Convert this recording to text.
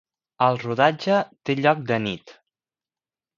El rodatge té lloc de nit.